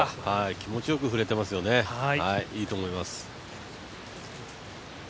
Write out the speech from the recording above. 気持ちよく振れていますよね、いいと思います。